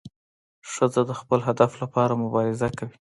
ښځه د خپل هدف لپاره مبارزه کوي.